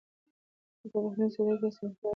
که په بهرنۍ سوداګرۍ کې اسانتیا وي.